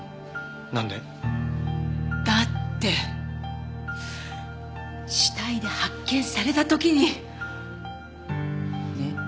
なんで？だって死体で発見された時に。ねえ？